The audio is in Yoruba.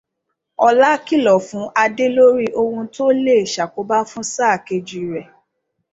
Ọlá kìlọ̀ fún Adé lórí ohun tó leè ṣàkóbá fún sáà kejì rẹ̀.